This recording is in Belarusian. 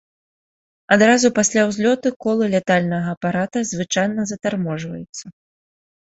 Адразу пасля ўзлёту колы лятальнага апарата звычайна затарможваюцца.